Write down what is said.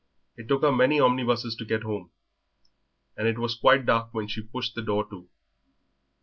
It took her many omnibuses to get home, and it was quite dark when she pushed the door to.